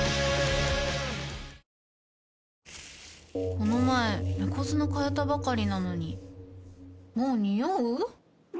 この前猫砂替えたばかりなのにもうニオう？